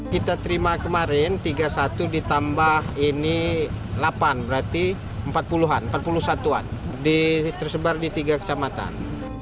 kita terima kemarin tiga puluh satu ditambah ini delapan berarti empat puluh an empat puluh satuan tersebar di tiga kecamatan